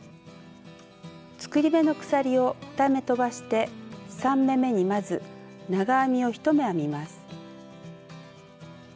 作り目の鎖を２目とばして３目めにまず長編みを１目編みます。